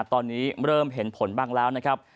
ตอนนี้เริ่มเห็นผลบ้างแล้วนะครับ